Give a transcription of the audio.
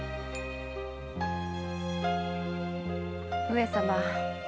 上様。